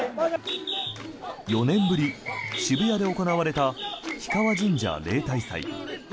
４年ぶり、渋谷で行われた氷川神社例大祭。